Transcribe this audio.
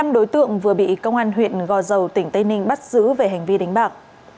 năm đối tượng vừa bị công an huyện gò dầu tỉnh tây ninh bắt giữ về hành vi đánh bạc